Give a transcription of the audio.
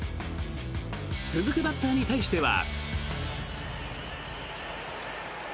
続くバッターに対しては。